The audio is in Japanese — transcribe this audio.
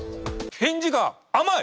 返事が甘い！